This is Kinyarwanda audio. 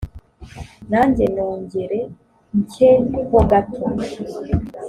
nanjye nongere ncye ho gato